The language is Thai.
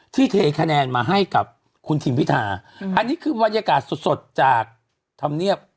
เทคะแนนมาให้กับคุณทิมพิธาอันนี้คือบรรยากาศสดจากธรรมเนียบ